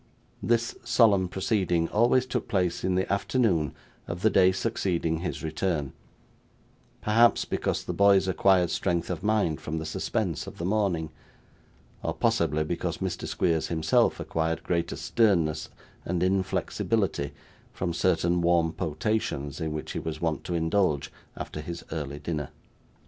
This solemn proceeding always took place in the afternoon of the day succeeding his return; perhaps, because the boys acquired strength of mind from the suspense of the morning, or, possibly, because Mr. Squeers himself acquired greater sternness and inflexibility from certain warm potations in which he was wont to indulge after his early dinner.